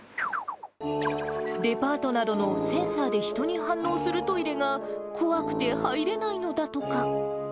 デパートなどのセンサーで人に反応するトイレが、怖くて入れないのだとか。